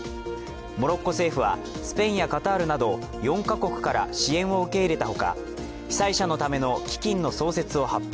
モロッコ政府はスペインやカタールなど４か国から支援を受け入れたほか被災者のための基金の創設を発表。